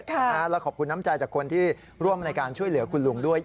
แล้วขอบคุณน้ำใจจากคนที่ร่วมในการช่วยเหลือคุณลุงด้วย